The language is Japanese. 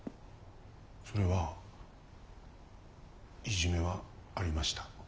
それはいじめはありました。